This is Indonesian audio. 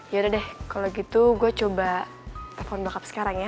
yaudah deh kalo gitu gue coba telfon bokap sekarang ya